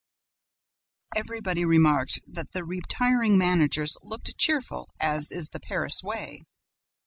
Everybody remarked that the retiring managers looked cheerful, as is the Paris way.